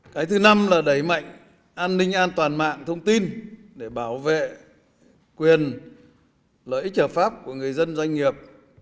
cái thứ năm là đẩy mạnh an ninh an toàn mạng thông tin để bảo vệ quyền lợi ích hợp pháp của người dân doanh nghiệp